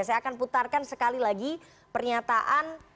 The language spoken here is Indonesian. saya akan putarkan sekali lagi pernyataan